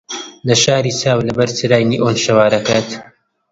لە شاری چاو لەبەر چرای نیئۆن شەوارەکەت